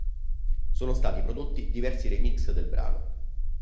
Sono stati prodotti diversi remix del brano.